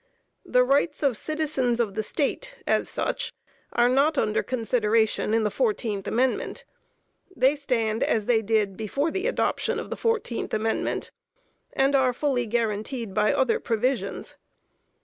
The rights of citizens of the State, as such, are not under consideration in the 14th Amendment. They stand as they did before the adoption of the 14th Amendment, and are fully guaranteed by other provisions.